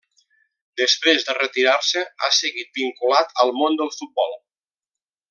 Després de retirar-se, ha seguit vinculat al món del futbol.